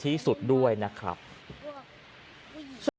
แปะหัวแปะแบบเบาอะ